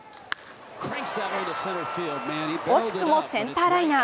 惜しくもセンターライナー。